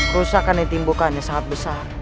kerusakan yang timbulkan yang sangat besar